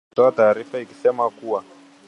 kutoa taarifa ikisema kuwa